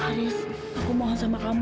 habis aku mohon sama kamu